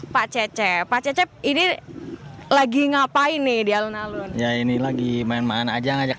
pak cecep pak cecep ini lagi ngapain nih di alun alun ya ini lagi main main aja ngajak